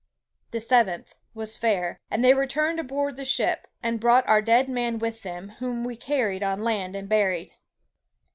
"The seventh was fair, and they returned aboard the ship, and brought our dead man with them, whom we carried on land and buried."